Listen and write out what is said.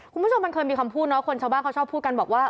คุณผู้ชมมันเคยมีคำพูดเนาะคนชาวบ้านเขาชอบพูดกันบอกว่า